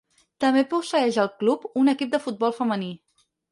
També posseïx el club un equip de futbol femení.